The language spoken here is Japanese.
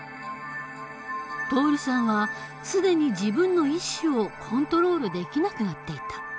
徹さんは既に自分の意思をコントロールできなくなっていた。